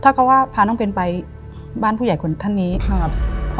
ถ้าเขาว่าพาน้องเบนไปบ้านผู้ใหญ่คนท่านนี้ครับ